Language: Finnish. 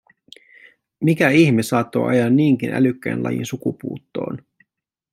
Mikä ihme saattoi ajaa niinkin älykkään lajin sukupuuttoon?